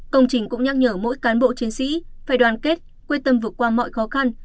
công trình cũng nhắc nhở mỗi cán bộ chiến sĩ phải đoàn kết quyết tâm vượt qua mọi khó khăn